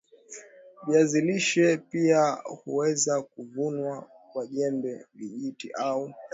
viazi lishe pia huweza kuvunwa kwa jembe vijiti au rato